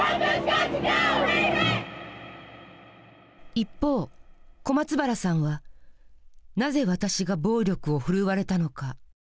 一方小松原さんは「なぜ私が暴力をふるわれたのか？」